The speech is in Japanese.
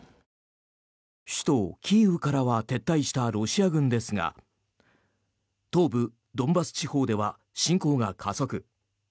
首都キーウからは撤退したロシア軍ですが東部ドンバス地方では侵攻が加速。